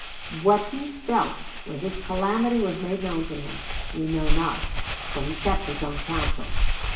What he felt when this calamity was made known to him we know not, for he kept his own counsel.